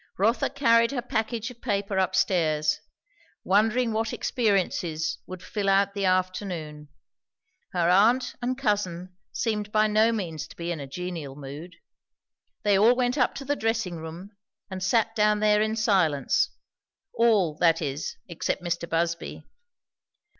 Rotha carried her package of paper up stairs, wondering what experiences would till out the afternoon. Her aunt and cousin seemed by no means to be in a genial mood. They all went up to the dressing room and sat down there in silence; all, that is, except Mr. Busby.